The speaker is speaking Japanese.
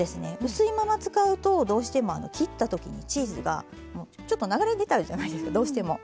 薄いまま使うとどうしても切った時にチーズがちょっと流れ出ちゃうじゃないですかどうしても。